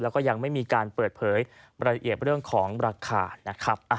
แล้วก็ยังไม่มีการเปิดเผยรายละเอียดเรื่องของราคานะครับ